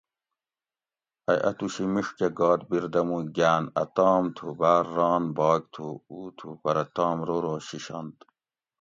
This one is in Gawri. ائ اۤتوشی میڛکہ گات بیردموگاۤن اۤ تام تھو باۤر ران باگ تھو او تھو پرہ تام رو رو شیشنت